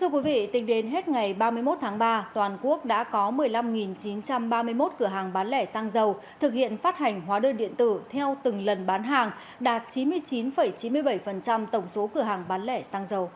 thưa quý vị tính đến hết ngày ba mươi một tháng ba toàn quốc đã có một mươi năm chín trăm ba mươi một cửa hàng bán lẻ xăng dầu thực hiện phát hành hóa đơn điện tử theo từng lần bán hàng đạt chín mươi chín chín mươi bảy tổng số cửa hàng bán lẻ xăng dầu